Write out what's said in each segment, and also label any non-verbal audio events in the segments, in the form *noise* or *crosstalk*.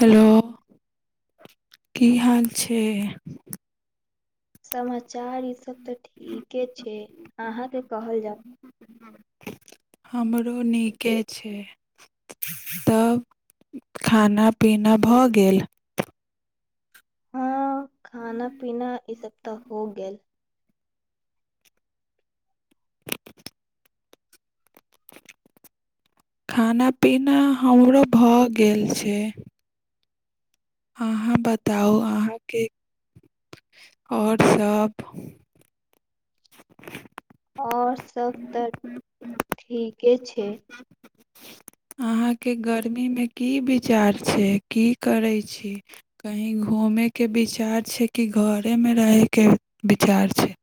Hello की हाल छै समाचार ईसभ तऽ ठीके छै अहाँके कहल जाउ हमरो नीके छै *unintelligible* तब खाना पीना भऽ गेल हँ खाना पीना ईसभ तऽ हो गेल *unintelligible* खाना पीना हमरो भ गेल छै अहाँ बताउ अहाँ के। और सभ। आओर सभ तऽ ठीके छै। अहाँके गर्मीमे की विचार छै की करै छी। कहीं घूमे के बीच। विचार छै कि घरेमे रहैके विचार छै।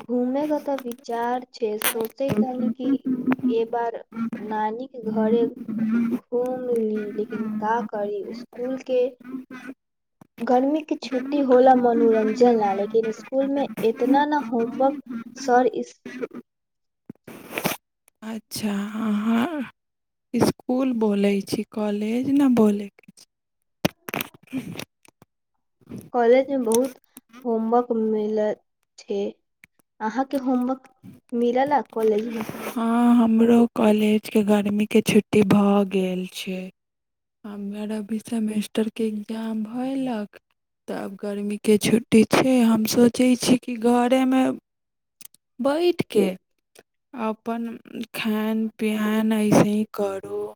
घूमे क तऽ विचार छै सोचे तनि की ए बार। नानी के घरे घूम ली लेकिन का करी स्कुल के गर्मी के छुट्टी होला मनोरंजन ना लेकिन स्कुल मे इतना ने। होमवर्क सर इस अच्छा ह-ह इसकुल बोले छी कॉले। तेज न बोलै के छै *inaudible* कॉलज मे बहुत होमवर्क मिल छै। अहाँके होमवर्क मिलल अ कॉलेजमे। कॉलेज के गर्मी के छुट्टी भऽ गेल छै। हम अर अभी सेमेस्टरके एग्जाम भयलक तऽ आब गर्मीके छुट्टी छै हम सोचै छी कि घरेमे। बैठि कऽ अपन खान पिियान अयसे ही करू।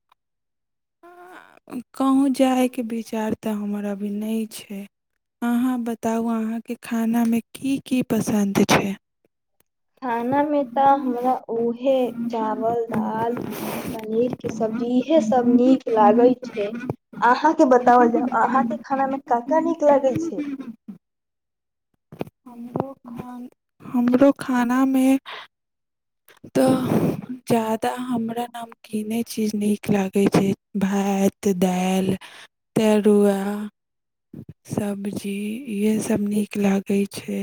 *unintelligible* कहुँ जाइके विचार तऽ हमर अभी नहि छै अहाँ बताउ अहाँके खानामे की की पसन्द छै। खानामे तऽ हमरा उहे चावल दाल पनीर के सब्जी इहे सब नीक लागै छै अहाँ के बताओल जाउ अहााँ के खाना मे का का नीक लागै छै। हमरो खाना हमरो खाना मे तऽ जादा हमरा नमकीने चीज नीक लाग। कहै छै भात दालि। तरुआ। ह सब्जी। इएह सभ नीक लागै छै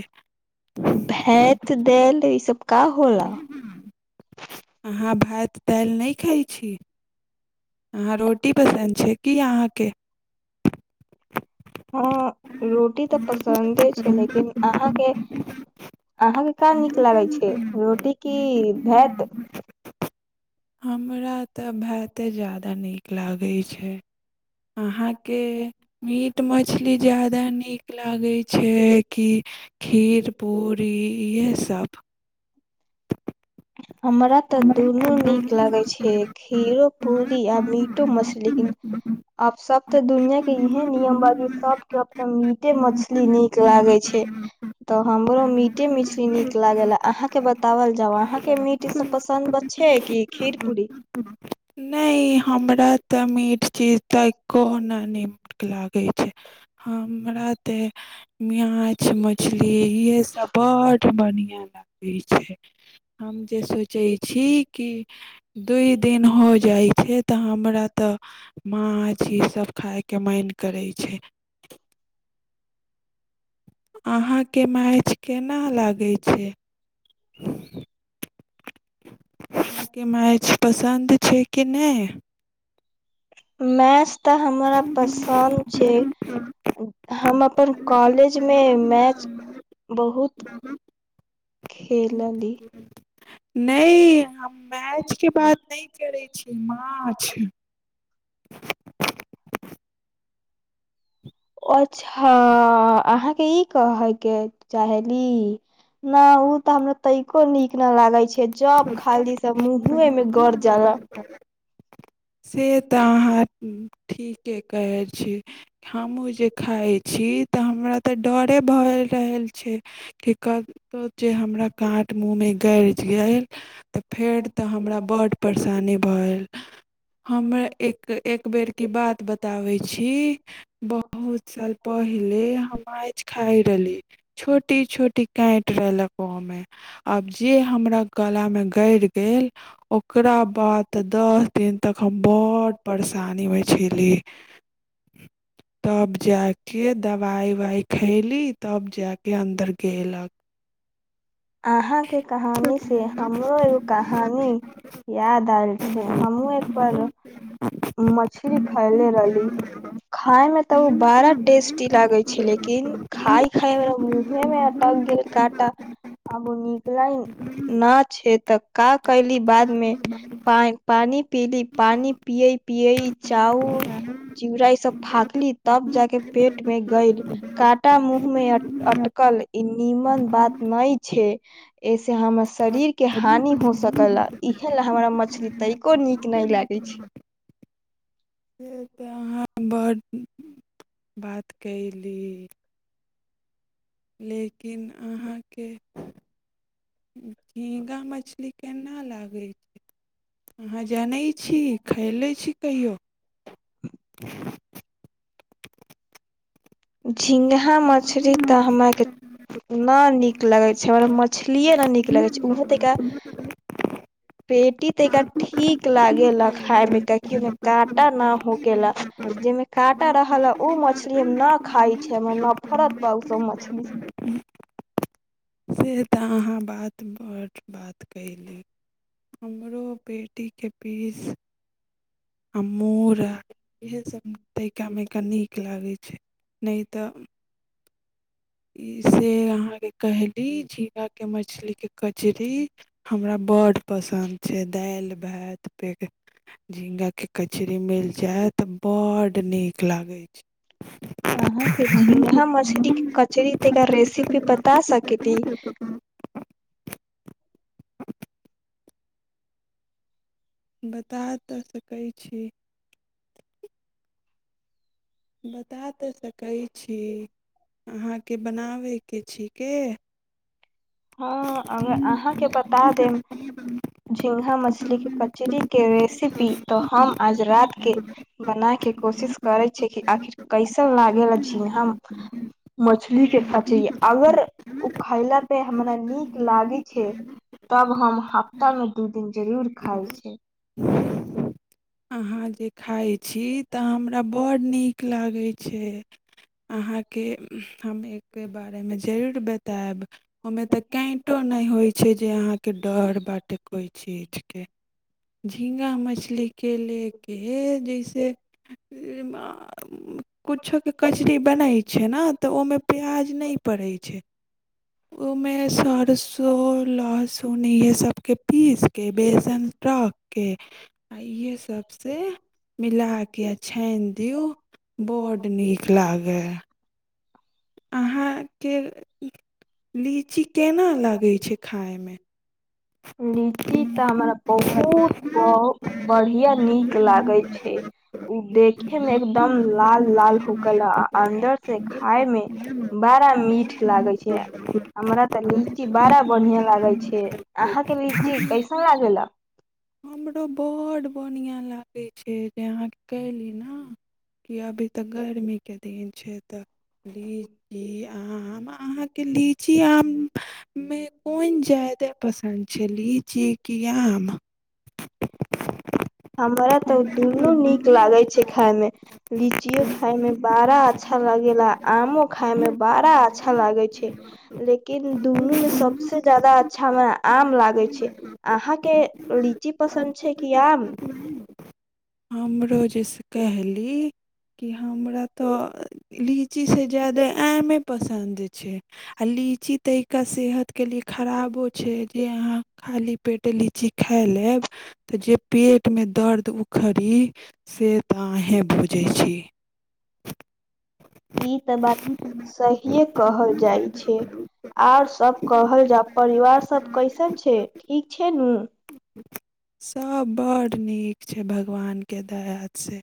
अहाँ भात दालि नहि खाइ छी अहाँ रोटी पसन्द छै की अहाँके हँ रोटी तऽ पसन्दे छै लेकिन अहाँके अहाँके का नीक लागै छै रोटी की भात हमरा तऽ भ ते जात तऽ नीक लागै छै अहाँके मीट मछली ज्यादा नीक लागै छै कि खीर पूरी इएह सभ हमरा तऽ दुनू नीक लागै छै खीरो पूरी आ मीटो मछली आब सभ तऽ दुनआ के इहे नियम बानी सभके तऽ मीटे मछली नीक लागै छै तऽ हमरो मीटे मछली नीक लागल अहाँके बताउ बताउल जाउ अहाँ मीट ई सब पसन्द बच छैे की खीर पूरी नहि हमरा तऽ मीठ चीज तऽ कहुना नीक लागे छै हमरा ते मांछ मछली इएह सब बड्ड बढ़िया लागे छै ह *inaudible* हम जे सोचै छी की दू दिन हो जाइ छै तऽ हम हमरा तऽ माँछ ई सभ खायके मन करै छै अहाँके मांछ केना लागै छै *unintelligible* अहाँके मैच पसन्द छै कि नहि मेस *inaudible* तऽ हमरा पसन्द छै। हम अपन कॉलेज मे मैच बहुत खेलली नहि हम मैच के बात नहि करै छी मांछ *unintelligible* ओ च्छा अहाँ ई कहे के चाहली न उ तऽ हमरा तको निक न लागे छै जब खाली से मुहे मे गर जाला *unintelligible* से तऽ अहाँ ठीके कहै छी हमहूँ जे खाइत छी तऽ हमरा तऽ डरे भऽ रहल छै कि कतहु जे हमरा काँट मुँहमे गड़ि *inaudible* तऽ फेर तऽ हमरा बड्ड परेशानी भेयल हमरा एक एक बेर क बात बताबै छी बहुत साल पहिले हम मांछ खााय रहली छोटी छोटी कांटि रहलक ओहो मे आब जे हमरा गला में गेड़ गेल ओकरा बाद तऽ दस दिन तक हम बडड़ परेशानीमे छली *unintelligible* तब जा कऽ दबाइ उवाइ खयली तब जा कऽ अन्दर गयलक अहाँके कहानी से हमरो एगो कहानी याद आयल छै हमहु एक बार मछली खैले रहली खाय में तऽ उ बड़ा टेस्टी लागे छै लेकिन खााय खाय मे मुहे में अटक गेल कांटा आब नी लन न छै तक का कयली बादमे पानी पीली पानि पी पियई चाउर चुड़ा सब फांकली तब जाक पेट मे गेल काँटा मुँह में अटकल ई नीमन बात नहि छै एस *inaudible* से हमर शरीर के हानि हो सकल ह इहे ल हमरा मछली तनिको नीक नहि लागै छै से तऽ अहाँ हँ बड्ड बात कयली लेकिन अहाँके झिँगा मछली केना लागै छै अहाँ जनैत छी खयलै छी कहियो *unintelligible* झिंगा मछली तऽ हमरा के न नीक लगे छै हमरा मछलीे न नीक लगे छै ओहो तरा पेटी तरा ठीक लागेला खाय मे काकि ओहिमे काँटा न हो गेलेला जाहिमे काँटा रहल ओ मछली हम न खाय छैमे हमरा नफरत बा उसभ मछली से तऽ अहाँ बात बड्ड बात कयली हमरो ओ *inaudible* पेटीके पीस आ मूड़ा मे का नीक लागै छै नहि तऽ ई से अहाँके कहयली झीङ्गाके मछलीके कचरी हमरा बड्ड पसन्द छै दालि भात पे झी्गाके कचरी मिल जायत बड्ड नीक लागै छै अहाँके झिंगा मछली के कचरी एकरा रेसिपी बता सकली बता तऽ सकै छी बता तऽ सकै छी अहााँके बनाबे के छै के। हँ अगर अहाँके बता देम झिंगा मछली के कचरी के रेसिपी त हम आज रात के बनाय के कोशिश करै छे कि आखिर कैसे। लागे ल छी हम मछली के कथि अगर खइलक से हमरा नीक लागे छै अहाँ तब हम हफ्ता मे दू दिन जरूर खााय छी अहाँ जे खााय छी ता हमरा बड्ड नीक लागै छै। अहाँके हम एक के बारेमे जरूर बतायब ओहिमे तऽ कैंटो नहि होइ छै जे अहाँके डर बाटे कोइ चीजके झीङ्गा मछलीके लेल हे जैसे *unintelligible* कुछो के कचरी बनाय छै ने ते ओ में प्याज ने पड़ै छै ओमे सरसों त ओ लहसुन इहे सबके पीसके बेसन रखके आ इएहे सब से मिला के य छानि दियऔ बड नीक लागे अहाँके लीची केना लगै छै खायमे ह *inaudible* ई तऽ हमरा बहुत ब बढ़िया नीक लागे छै देखे में एकदम लाल लाल हो गेल आ अन्दर से खााय में बड़ा मीठ लागे छै हमरा तऽ लीची बड़ा बढ़िया लागे छै अहाँके लीची हमरो बहुत बढ़ियां लागे छै जे अहाँके कहली ने कि अभी तऽ गर्मी के दिन छै तऽ लीची अहंहाँ अहाँके लीची आम मे कोन ज्यादा लीची की आम हमरा तऽ दुनू नीक लागे छै खाय में लीचियो खााय में बड़ा अच्छा लागेला आमो खााय में बड़ा अच्छा लागे छै लेकिन दुनू में सबस ज्यादा अच्छा हमरा आम लागे छै अहाँ के लीची पसन्द छै की आम हमरो जेयस कहली कि हमरा तऽ लीचीसँ ज्यादा आमे पसन्द आ लीची तैका सेहत के लिए खराबो छै जे अहाँ खाली पेट लीची खाय लेब तऽ जे पेटमे दर्द उखरि सेत अहें बुझ जे छी ई तऽ बात सहिए कहल जाइ छै आर सब कहल जा परिवार सब कैसन छै ठीक छै नु सब बड्ड नीक छै भगवानके दया से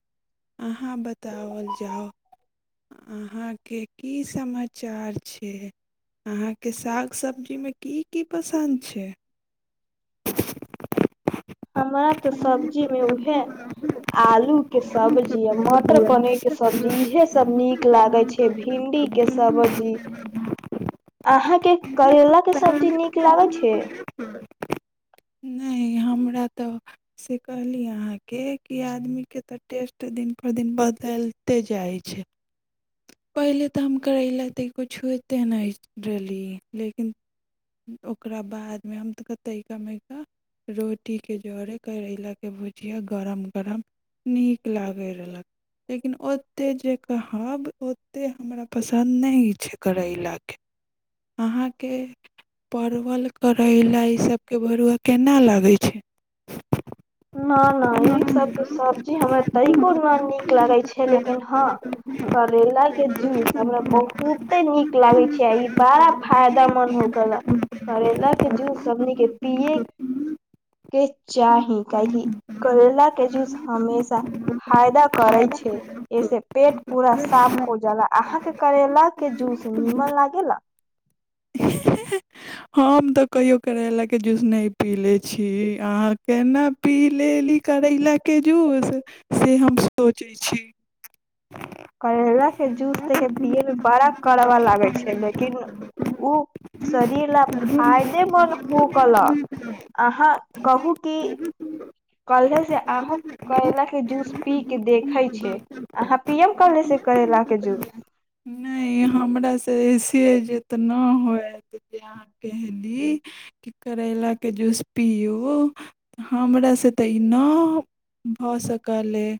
अहाँ बताओल जाउ अहाँ के की समाचार छै अहाँके साग सबजीमे कि की पसन्द छै *inaudible* हमरा तऽ सब्जी मे उहे आलू के सब्जी आ मटर पनीर के सब्जी इहे सब नीक लागे छै भिंडी के सब्जी अहाँ के करेला के सब्जी नीक लागे छै ह *inaudible* नहि हमरा तऽ से कहली अहाँके क आदमी के तऽ टेस्ट तऽ दिन पर दिन बदलिते जाइ छै पहिले तऽ हम करैला तऽ तनिको छुते नहि रहलिए लेकिन ओकरा बादमे हम तऽ तनिका मनिका रोटी के जोड़े करैला के भुज जिया गरम गरम नीक लागै रहलक लेकिन ओतेक जे कहब ओते हमरा पसन्द न छै करैला *inaudible* अहाँके परवल करैला इसभके भरुआ केना लागै छै। न न ई सब के सब्जी हमरा तनिको न नीक लागे छै लेकिन हँ करेला के जूस हमरा बहुते नीक लागे छै ई बड़ा फायदामन्द हो गेल करैला के जूस हमनी के पिये के छै चाही काहेकि करैला के जूस हमेशा फायदा करे छै एहिसे पेट पूरा साफ पज अहाँके करैेल के जूस नीमन लागेला हम तऽ कहियौ करैलाके जूस नहि पी ले छी अहाँ केना पी लेली करैलाके जूस से हम सोचै छी करैलााक के जूस देख पियए मे बड़ा कड़बा लागै छै लेकिन ओ शरीर ल फायदेमन्द होके ल अहाँ कहू क कलहे से आह करला के जूस पी के देखै छै पी एम कलेस करैला के जूस सेज एतऽ नहि हयत जे अहाँ कहली कि करैलाके जूस पियौ हमरासँ तऽ ई नहि भऽ सकल अइ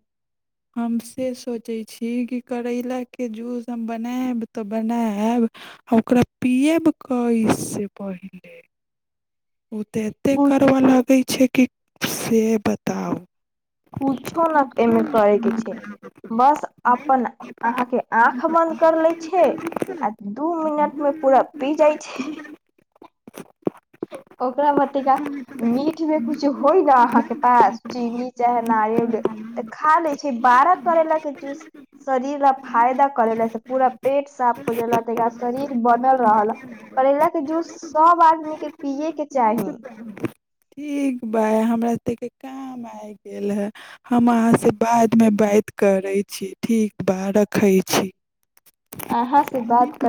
हम से सोचैत छी कि करैलाक के जूस हम बनायब तऽ बनायब आब आ ओकरा पियब क से पहिले ओ तऽ एतेक कुछ करबऽ लगै छै कि से बताउ कुछो न एमे करे के छै बस अपन अहाँके आँख बंद कर ले छै आ दू मिनट मे पूरा पी जाइ छै ओकरा ब तिका मीठ मे कुछ होय न अहाँके पास चीनी चाहे नारियल तऽ खा ले छै बारह करैला के जूस शरीर ल फायदा करेले से पूरा पेट साफ हो जेल त शरीर बनल रहल करैला के जूस सब आदमी के पियएके चाही। ठीक बा हमरा सभके काम आबि गेल हए हम अहाँसँ बादमे बात करै छी ठीक बा रखै छी आहाँ से बात कर